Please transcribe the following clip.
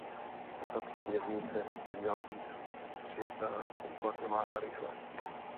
Tato směrnice by měla být přijata a uplatňována rychle.